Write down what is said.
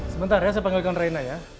sebentar ya saya panggilkan raina ya